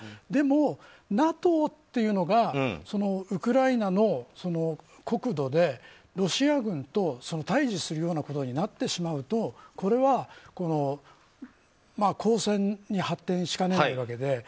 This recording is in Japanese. でもＮＡＴＯというのがウクライナの国土でロシア軍と対峙するようなことになってしまうとこれは抗戦に発展しかねないわけで。